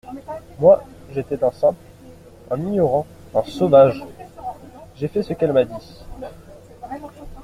Moi, j'étais un simple, un ignorant, un sauvage ; j'ai fait ce qu'elle m'a dit.